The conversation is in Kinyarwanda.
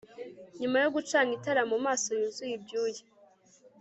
Nyuma yo gucana itara mumaso yuzuye ibyuya